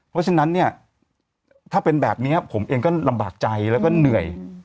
เพราะฉะนั้นเนี่ยถ้าเป็นแบบนี้ผมเองก็ลำบากใจแล้วก็เหนื่อย